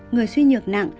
người suy nhược nặng